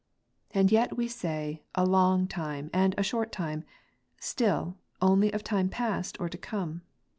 And yet we say, " a long time " and " a short time;" still, only of time past or to come.